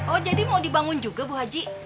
oh jadi mau dibangun juga bu haji